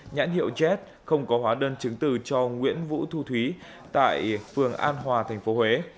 nhãn hiệu jet không có hóa đơn chứng từ cho nguyễn vũ thu thúy tại phường an hòa tp huế